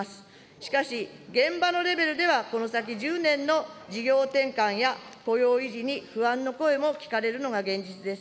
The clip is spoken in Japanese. しかし、現場のレベルでは、この先１０年の事業転換や、雇用維持に不安の声も聞かれるのが現実です。